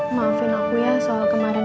maafin aku ya soal kemarin